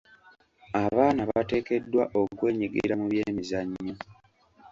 Abaana bateekeddwa okwenyigira mu by'emizannyo..